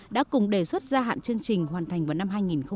đã cùng đề xuất gia hạn chương trình hoàn thành vào năm hai nghìn hai mươi